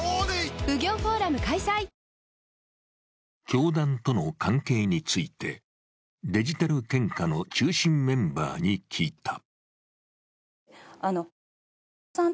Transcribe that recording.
教団との関係について、デジタル献花の中心メンバーに聞いた。